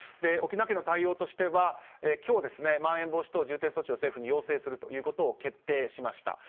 沖縄県の対応としては今日、まん延防止等重点措置を政府に要請するということを決定しました。